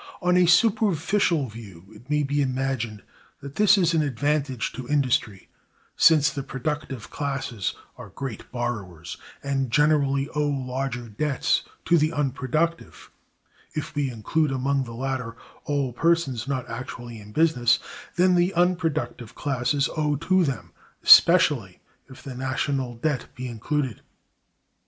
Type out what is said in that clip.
On a superficial view it may be imagined that this is an advantage to industry; since the productive classes are great borrowers, and generally owe larger debts to the unproductive (if we include among the latter all persons not actually in business) than the unproductive classes owe to them, especially if the national debt be included.